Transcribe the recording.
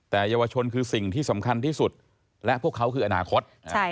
แต่เยาวชนคือสิ่งที่สำคัญที่สุดและพวกเขาคืออนาคต